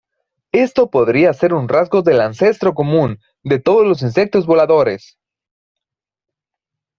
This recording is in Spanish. Esto podría ser un rasgo del ancestro común de todos los insectos voladores.